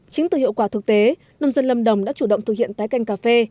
chính từ hiệu quả thực tế nông dân lâm đồng đã chủ động thực hiện tái canh cà phê